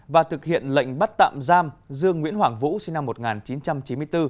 và thực hiện lệnh bắt tạm giam dương nguyễn hoàng vũ sinh năm một nghìn chín trăm chín mươi bốn